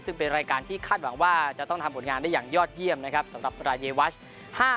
ซึ่งเป็นรายการที่คาดหวังว่าจะต้องทำผลงานได้อย่างยอดเยี่ยมนะครับสำหรับรายวัช